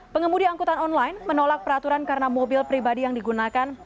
pengemudi angkutan online menolak peraturan karena mobil pribadi yang digunakan